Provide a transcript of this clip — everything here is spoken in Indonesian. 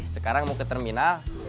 sekarang mau ke terminal